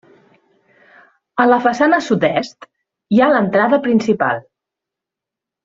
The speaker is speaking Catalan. A la façana sud-est, hi ha l'entrada principal.